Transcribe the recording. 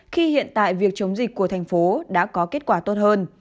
khi hiện tại việc chống dịch của tp hcm đã có kết quả tốt hơn